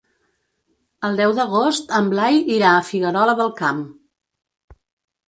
El deu d'agost en Blai irà a Figuerola del Camp.